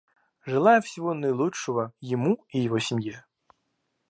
Желаю всего наилучшего ему и его семье.